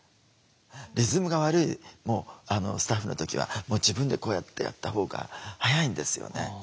リズムが悪いスタッフの時はもう自分でこうやってやったほうが速いんですよね。